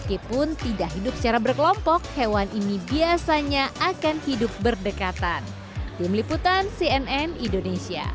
meskipun tidak hidup secara berkelompok hewan ini biasanya akan hidup berdekatan